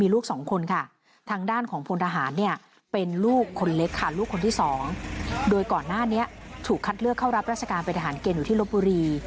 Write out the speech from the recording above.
รัฐกาลไปทหารเกณฑ์อยู่ที่โรปุรี